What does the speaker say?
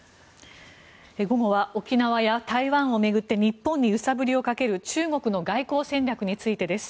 午後は沖縄や台湾を巡って日本に揺さぶりをかける中国の外交戦略についてです。